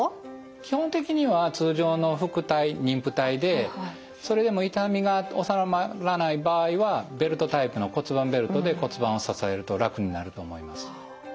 基本的には通常の腹帯妊婦帯でそれでも痛みが治まらない場合はベルトタイプの骨盤ベルトで骨盤を支えると楽になると思います。